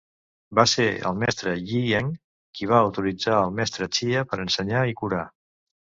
Va ser el mestre Yi Eng qui va autoritzar el mestre Chia per ensenyar i curar.